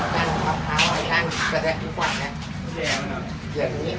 กับหายละครับ